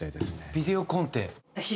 ビデオコンテ。